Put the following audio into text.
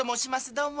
どうも。